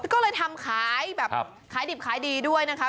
ก็เลยทำขายแบบขายดิบขายดีด้วยนะคะ